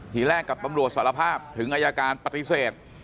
ทีแรกกับตำรวจสารภาพถึงอายการปฏิเสธ